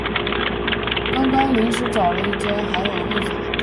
刚刚临时找了一间还有位子的店